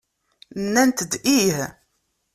Nnant-d ih.